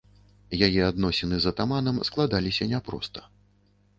Яе адносіны з атаманам складаліся няпроста.